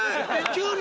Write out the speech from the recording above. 急に？